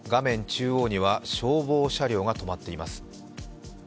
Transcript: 中央には、消防車両が止まっています。